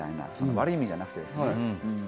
悪い意味じゃなくてね。